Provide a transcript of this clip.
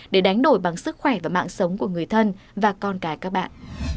để đánh đổi bằng sức khỏe và mạng sống của người thân và con cái các bạn